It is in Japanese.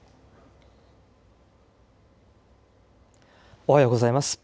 おはようございます。